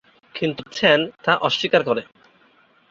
কিন্তু চ্যান তা অস্বীকার করে।